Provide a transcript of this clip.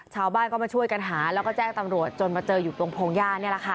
ชาวบ้านก็มาช่วยกันหาแล้วก็แจ้งตำรวจจนมาเจออยู่ตรงพงหญ้านี่แหละค่ะ